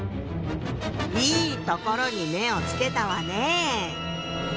いいところに目をつけたわね！